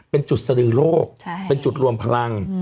เป็นจุดสดือโลกเป็นจุดรวมพลัง